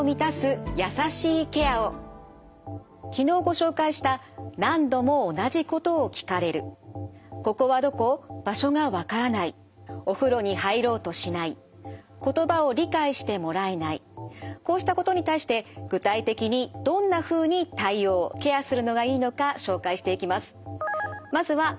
昨日ご紹介したこうしたことに対して具体的にどんなふうに対応ケアするのがいいのか紹介していきます。